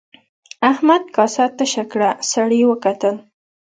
احمد کاسه تشه کړه سړي وکتل.